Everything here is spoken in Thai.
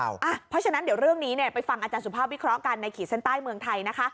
เพราะฉะนั้นเดี๋ยวเรื่องนี้ไปฟังอาจารย์สุภาพวิเคราะห์กันในขีดเส้นใต้เมืองไทยนะคะ